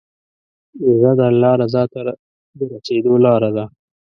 روژه د الله رضا ته د رسېدو لاره ده.